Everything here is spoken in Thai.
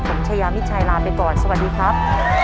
ผมชายามิชัยลาไปก่อนสวัสดีครับ